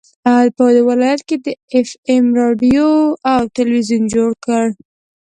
په دې ولايت كې د اېف اېم راډيو او ټېلوېزون جوړ